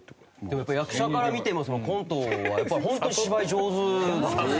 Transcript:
でもやっぱ役者から見てもコントはホントに芝居上手だからね。